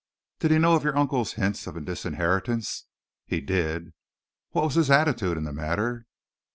"Did he know of your uncle's hints of disinheritance?" "He did." "What was his attitude in the matter?"